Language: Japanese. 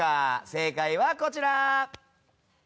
正解はこちら。